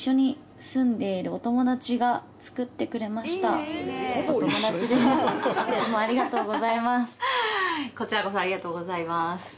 そこにはこちらこそありがとうございます。